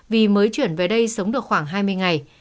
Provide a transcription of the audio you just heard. vì mới chuyển về đây sống được khoảng hai mươi ngày